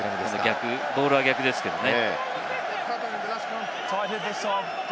ボールは逆ですけれどもね。